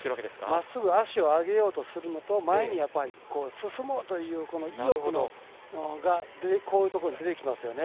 まっすぐ足を上げようとしているのと前に進もうという意欲がこういうところに出てきます。